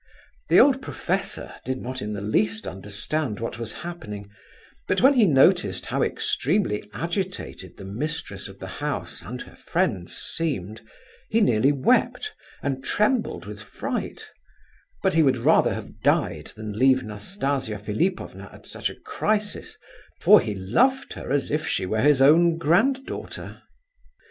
The old professor did not in the least understand what was happening; but when he noticed how extremely agitated the mistress of the house, and her friends, seemed, he nearly wept, and trembled with fright: but he would rather have died than leave Nastasia Philipovna at such a crisis, for he loved her as if she were his own granddaughter.